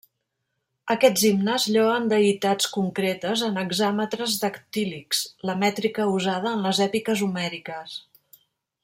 Aquests himnes lloen deïtats concretes en hexàmetres dactílics, la mètrica usada en les èpiques homèriques.